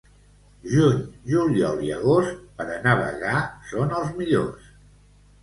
Juny, juliol i agost, per a navegar, són els millors.